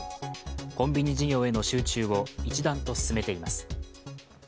コンビニ事業への集中を一段と進めています。